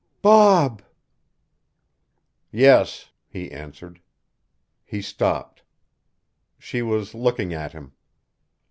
"Bob!" "Yes," he answered. He stopped. She was looking at him.